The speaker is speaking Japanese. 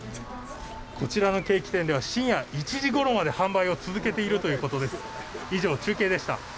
こちらのケーキ店では深夜１時ごろまで販売を続けているということです。